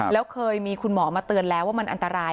แล้วเคยมีคุณหมอมาเตือนแล้วว่ามันอันตราย